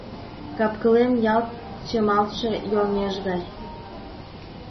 Капкылем ялт чымалтше йоҥеж гай.